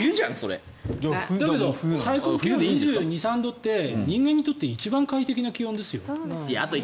最高気温２２２３度って人間にとって一番快適な気温ですよ。